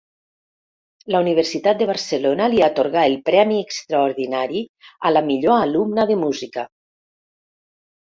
La Universitat de Barcelona li atorgà el Premi Extraordinari a la Millor Alumna de Música.